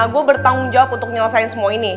gua bertanggung jawab untuk nyelesain semua ini